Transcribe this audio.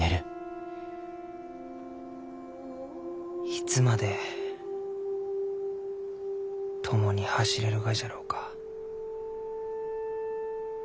いつまで共に走れるがじゃろうか？